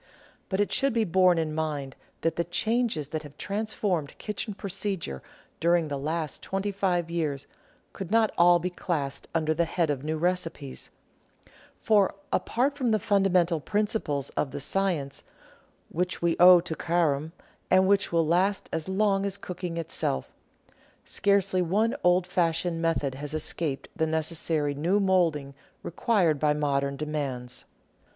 But it should be borne in mind that the changes that have transformed kitchen procedure during the last twenty five years could not all be classed under the head of new recipes ; for, apart from the fundamental principles of the science, which we owe to Careme, and which will last as long as Cooking itself, scarcely one old fashioned method has escaped the necessary new moulding required by modern demands.